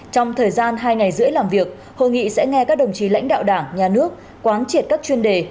trong thời gian hai ngày rưỡi làm việc hội nghị sẽ nghe các đồng chí lãnh đạo đảng nhà nước quán triệt các chuyên đề